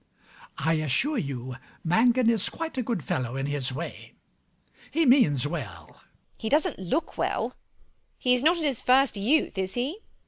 I assure you Mangan is quite a good fellow in his way. He means well. MRS HUSHABYE. He doesn't look well. He is not in his first youth, is he?